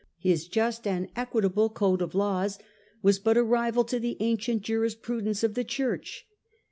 His just and equitable code of laws was but a rival to the ancient jurisprudence of the Church.